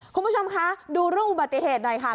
คุณผู้ชมคะดูเรื่องอุบัติเหตุหน่อยค่ะ